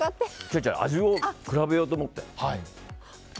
味を比べようと思って。